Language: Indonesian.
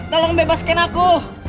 tolong bebaskan aku